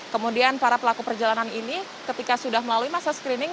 kemudian para pelaku perjalanan ini ketika sudah melalui masa screening